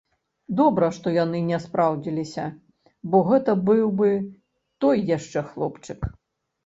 Добра, што яны не спраўдзіліся, бо гэта быў бы той яшчэ хлопчык.